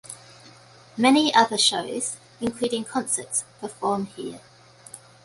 Many other shows, including concerts, perform here.